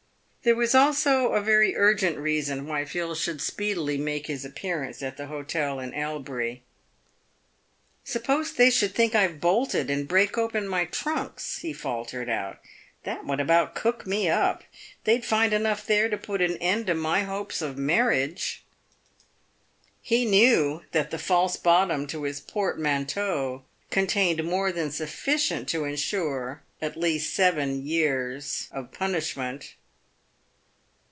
There was also a very urgent reason why Phil should speedily make his appearance at the hotel in Elbury. " Suppose they should think I have bolted, and break open my trunks ?" he faltered out. " That would about cook me up. They'd find enough there to put an end to my hopes of marriage." He knew that the false bottom to his portmanteau contained more than sufficient to ensure at least seven years of punishment.